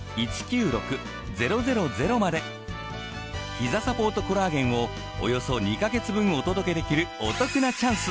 ひざサポートコラーゲンをおよそ２ヵ月分お届けできるお得なチャンス。